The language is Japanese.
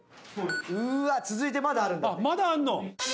うわ続いてまだあるんだって。